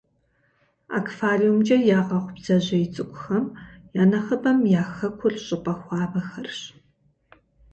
Аквариумкӏэ ягъэхъу бдзэжьей цӏыкӏухэм я нэхъыбэм я хэкур щӏыпӏэ хуабэхэрщ.